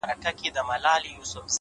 ژوند د فکر انعکاس دی’